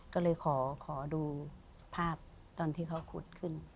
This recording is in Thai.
ก็เลยขอดูภาพตอนที่เขาขุดขึ้น